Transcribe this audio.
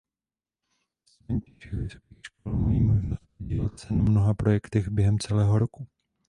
Studenti všech vysokých škol mají možnost podílet se na mnoha projektech během celého roku.